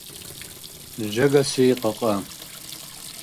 Жагаси кьакьа.